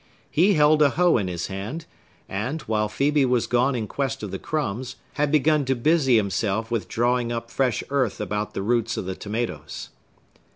He held a hoe in his hand, and, while Phœbe was gone in quest of the crumbs, had begun to busy himself with drawing up fresh earth about the roots of the tomatoes.